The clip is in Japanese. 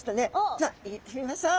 じゃあ行ってみましょう。